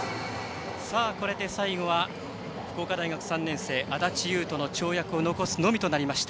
これで最後、福岡大学３年生安立雄斗の跳躍を残すのみとなりました。